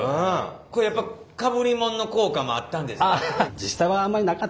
これやっぱかぶりもんの効果もあったんですか？